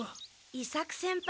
伊作先輩。